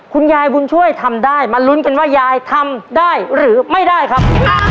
คุณยายบุญช่วยทำได้มาลุ้นกันว่ายายทำได้หรือไม่ได้ครับ